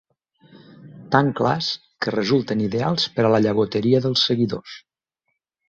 Tan clars que resulten ideals per a la llagoteria dels seguidors.